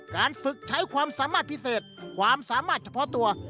การฝึกใช้ความสามารถพิเศษความสามารถเฉพาะตัว